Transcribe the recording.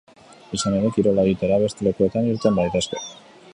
Izan ere, kirola egitera beste lekuetan irten daitezke.